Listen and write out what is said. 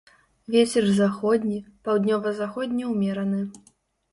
Вецер заходні, паўднёва-заходні ўмераны.